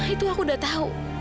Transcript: itu aku udah tahu